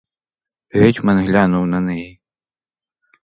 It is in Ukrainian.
Гетьман глянув на неї.